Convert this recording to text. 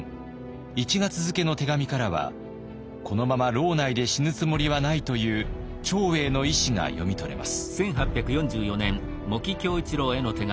１月付の手紙からはこのまま牢内で死ぬつもりはないという長英の意志が読み取れます。